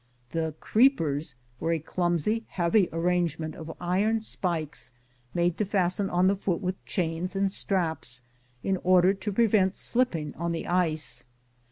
The "creepers" were a clumsy, heavy arrangement or iron spikes made to fasten on the foot with chams and straps, in order to prevent slipping on the ice.